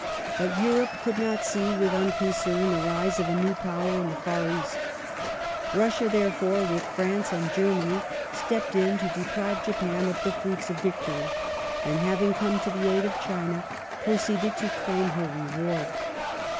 But Europe could not see with unconcern the rise of a new Power in the Far East. Russia, therefore, with France and Germany, stepped in to deprive Japan of the fruits of victory, and, having come to the aid of China, proceeded to claim her reward.